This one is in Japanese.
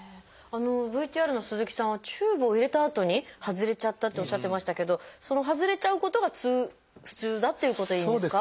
ＶＴＲの鈴木さんはチューブを入れたあとに外れちゃったっておっしゃってましたけどその外れちゃうことが普通だっていうことでいいんですか？